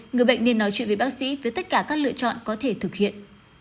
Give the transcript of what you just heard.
người bệnh nên nói chuyện với bác sĩ với tất cả các lựa chọn có thể thực hiện